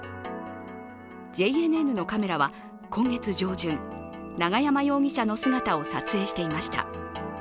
ＪＮＮのカメラは今月上旬、永山容疑者の姿を撮影していました。